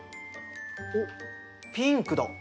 おっピンクだ！